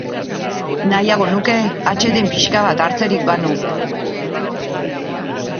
Nahiago nuke atseden pixka bat hartzerik banu!